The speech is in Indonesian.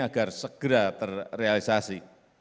agar segera terrealisasi